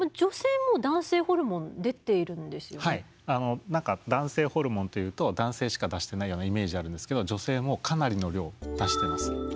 あの何か男性ホルモンというと男性しか出してないようなイメージあるんですけど女性もかなりの量出してます。